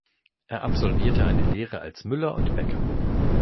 Er absolvierte eine Lehre als Müller und Bäcker.